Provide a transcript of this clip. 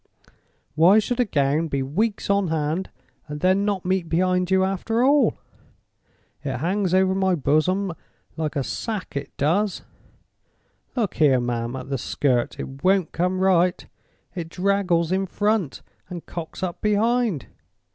Why should a gown be weeks on hand, and then not meet behind you after all? It hangs over my Boasom like a sack—it does. Look here, ma'am, at the skirt. It won't come right. It draggles in front, and cocks up behind.